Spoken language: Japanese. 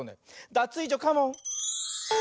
ダツイージョカモン！